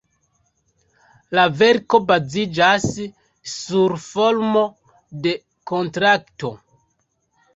La verko baziĝas sur formo de kontrakto.